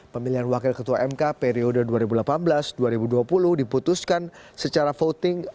pemilihan wakil ketua mk periode dua ribu delapan belas dua ribu dua puluh diputuskan secara voting